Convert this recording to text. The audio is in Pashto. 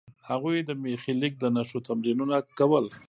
هغوی د میخي لیک د نښو تمرینونه کول.